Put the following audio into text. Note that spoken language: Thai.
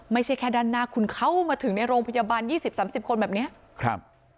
ไม่ใช่แค่ด้านหน้าคุณเข้ามาถึงในโรงพยาบาลยี่สิบสามสิบคนแบบเนี้ยครับ